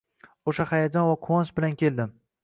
o‘sha hayajon va quvonch bilan keldim.